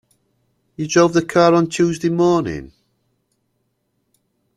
You drove the car on Tuesday morning?